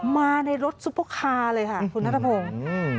มาในรถซุปเปอร์คาร์เลยค่ะคุณนัทพงศ์อืม